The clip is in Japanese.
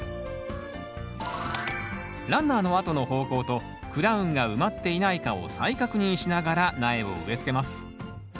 ランナーの跡の方向とクラウンが埋まっていないかを再確認しながら苗を植えつけます。